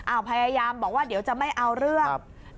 พยายามบอกว่าเดี๋ยวจะไม่เอาเรื่อง